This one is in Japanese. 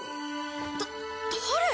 だ誰？